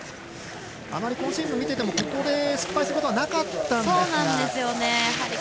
あまり今シーズンを見ていてもここで失敗することはなかったんですが。